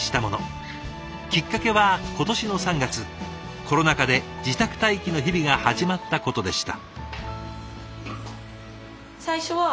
きっかけは今年の３月コロナ禍で自宅待機の日々が始まったことでした。